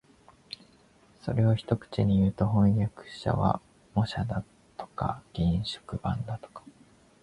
それを一口にいうと、飜訳者は模写だとか原色版だとか